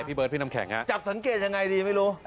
พี่เบิร์ตพี่นำแข็งอ่าจับสังเกตยังไงดี